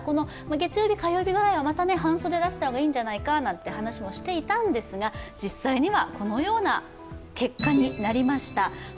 月曜日、火曜日くらいは半袖出した方がいいんじゃないかという話もしていたんですが、実際にはこのような結果となりました。